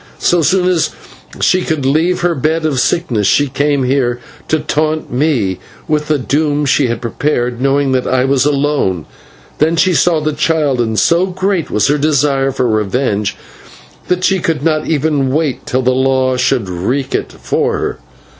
So soon as she could leave her bed of sickness she came here to taunt me with the doom she had prepared, knowing that I was alone. Then she saw the child, and so great was her desire for revenge that she could not even wait till the law should wreak it for her.